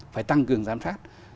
phải tăng cường giám phát